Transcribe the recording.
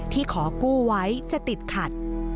ที่ขอกู้ไว้จะติดขัด